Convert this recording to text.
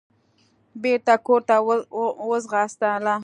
بېرته کورته وځغاستله.